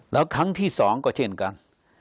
แล้วครั้งที่๒ก็เช่นกัน